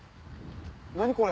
何これ！